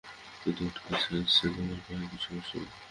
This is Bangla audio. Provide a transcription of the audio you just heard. শুধু একটু কাছে আসছো তোমার পায়ে কি সমস্যা, মেয়ে?